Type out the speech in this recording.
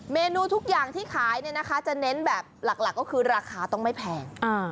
เมนูทุกอย่างที่ขายเนี่ยนะคะจะเน้นแบบหลักก็คือราคาต้องไม่แพง